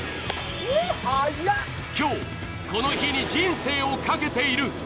今日、この日に人生をかけている。